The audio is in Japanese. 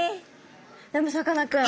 でもさかなクン